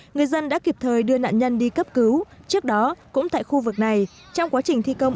người dân đã kịp thời đưa nạn nhân đi cấp cứu trước đó cũng tại khu vực này trong quá trình thi công